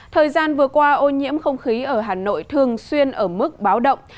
thời gian vừa qua ô nhiễm không khí ở hà nội thường xuyên ở mức báo động